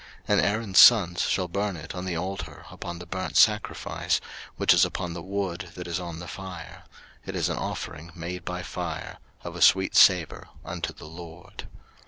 03:003:005 And Aaron's sons shall burn it on the altar upon the burnt sacrifice, which is upon the wood that is on the fire: it is an offering made by fire, of a sweet savour unto the LORD.